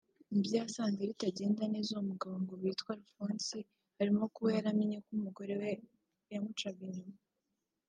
Mubyo yasanze bitagenda neza uwo mugabo ngo witwa Alphonse harimo kuba yaramenye ko umugore yamucaga inyuma